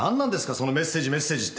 そのメッセージメッセージって。